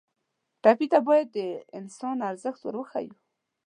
ټپي ته باید د انسان ارزښت ور وښیو.